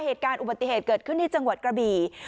เหตุการณ์อุบัติเหตุเกิดขึ้นที่จังหวัดกระบี่